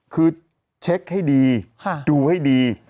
คือเช็คให้ดีดูให้ดี